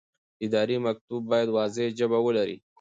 اداري مکتوب باید واضح ژبه ولري.